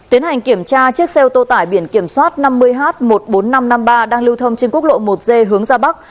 tiến hành kiểm tra chiếc xe ô tô tải biển kiểm soát năm mươi h một mươi bốn nghìn năm trăm năm mươi ba đang lưu thông trên quốc lộ một d hướng ra bắc